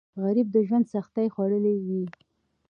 غریب د ژوند سختۍ خوړلي وي